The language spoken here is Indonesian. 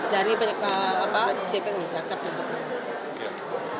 dari banyak pak c p u